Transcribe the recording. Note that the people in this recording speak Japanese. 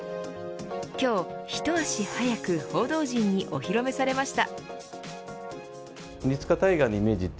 今日、一足早く報道陣にお披露目されました。